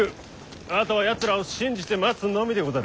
あとはやつらを信じて待つのみでござる。